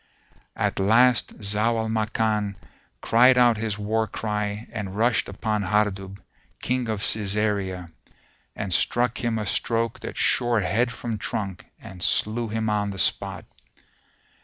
At last Zau al Makan cried out his war cry and rushed upon Hardub, King of Cæsarea,[FN#452] and struck him a stroke that shore head from trunk and slew him on the spot.